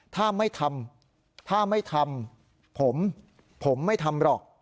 ถ้าไม่ทำถ้าไม่ทำผมผมไม่ทำหรอก